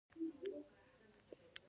پینځنۍ